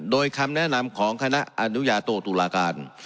โดยคำแนะนำของคณะอนุญาโตตุลาการ